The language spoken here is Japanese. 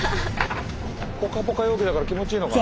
ぽかぽか陽気だから気持ちいいのかな。